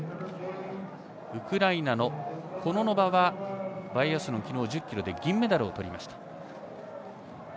ウクライナのコノノバはバイアスロン、昨日１０ｋｍで銀メダルをとりました。